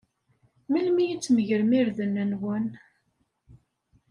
Melmi ad tmegrem irden-nwen?